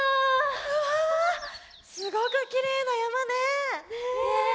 うわすごくきれいなやまね。ね。